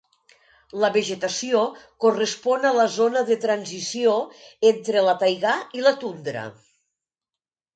La vegetació correspon a la zona de transició entre la taigà i la tundra.